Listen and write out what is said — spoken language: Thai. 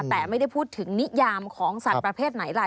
แต่ไม่ได้พูดถึงนิยามของสัตว์ประเภทไหนล่ะ